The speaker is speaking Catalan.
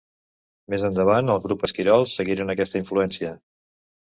Més endavant, el grup Esquirols seguiren aquesta influència.